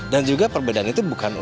dan juga perbedaan itu bukan unggul